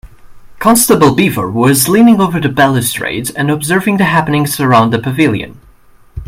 Constable Beaver was leaning over the balustrade and observing the happenings around the pavilion.